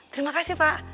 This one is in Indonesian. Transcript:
terima kasih pak